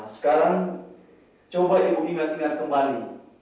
sekarang coba ibu ingat ingat kembali